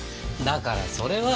だからそれは！